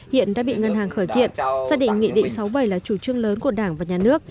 hiện đã bị ngân hàng khởi kiện xác định nghị định sáu bảy là chủ trương lớn của đảng và nhà nước